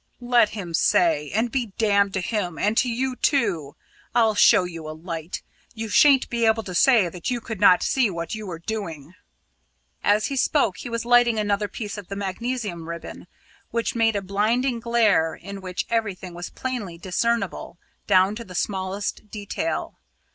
"Let him say, and be damned to him, and to you too! I'll show you a light. You shan't be able to say that you could not see what you were doing." As he spoke, he was lighting another piece of the magnesium ribbon, which made a blinding glare in which everything was plainly discernible, down to the smallest detail.